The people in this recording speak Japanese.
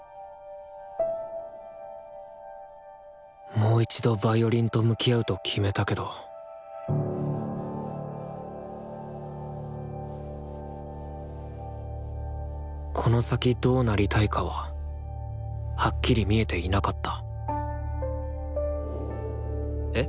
もう一度ヴァイオリンと向き合うと決めたけどこの先どうなりたいかははっきり見えていなかったえっ？